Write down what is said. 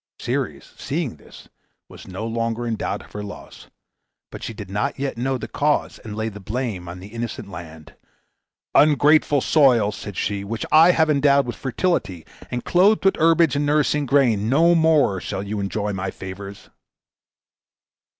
Ceres, seeing this, was no longer in doubt of her loss, but she did not yet know the cause, and laid the blame on the innocent land. "Ungrateful soil," said she, "which I have endowed with fertility and clothed with herbage and nourishing grain, no more shall you enjoy my favors."